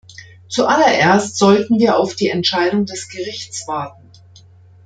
Zuallererst sollten wir auf die Entscheidung des Gerichts warten.